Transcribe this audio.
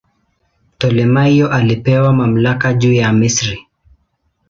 Ptolemaio alipewa mamlaka juu ya Misri.